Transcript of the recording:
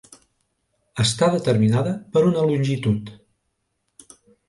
Està determinada per una longitud.